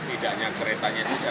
tidak hanya keretanya saja